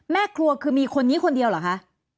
แม่ครัวคือมีคนนี้คนเดียวเหรอคะ